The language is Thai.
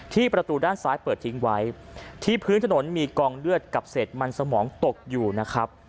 ประตูด้านซ้ายเปิดทิ้งไว้ที่พื้นถนนมีกองเลือดกับเศษมันสมองตกอยู่นะครับ